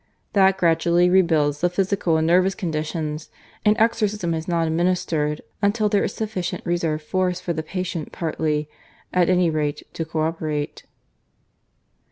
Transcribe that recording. That gradually rebuilds the physical and nervous conditions, and exorcism is not administered until there is sufficient reserve force for the patient partly, at any rate, to cooperate."